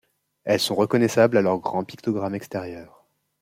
Elles sont reconnaissables à leurs grands pictogrammes extérieurs.